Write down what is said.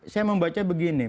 saya membaca begini